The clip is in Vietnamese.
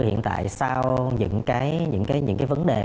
hiện tại sau những vấn đề